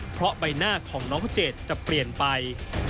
เพราะใบหน้าของน้องเจ็ดจะเปลี่ยนไป